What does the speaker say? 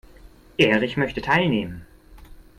Erich möchte teilnehmen.